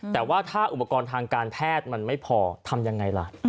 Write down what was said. แต่ว่าถ้าอุปกรณ์ทางการแพทย์มันไม่พอทำยังไงล่ะ